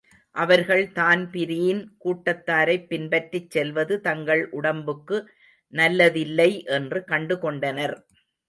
அவர்கள் தான்பிரீன் கூட்டத்தாரைப் பின்பற்றிச் செல்வது தங்கள் உடம்புக்கு நல்லதில்லை என்று கண்டு கொண்டனர்.